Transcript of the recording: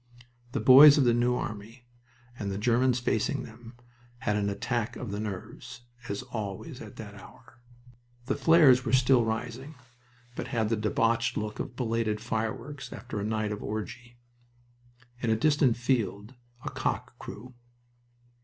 The boys of the New Army, and the Germans facing them, had an attack of the nerves, as always at that hour. The flares were still rising, but had the debauched look of belated fireworks after a night of orgy. In a distant field a cock crew.